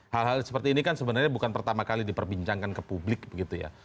hal hal seperti ini kan sebenarnya bukan pertama kali diperbincangkan ke publik begitu ya